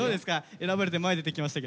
選ばれて前出てきましたけど。